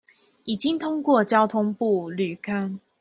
已經通過交通部履勘